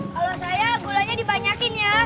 kalau saya gulanya dibanyakin ya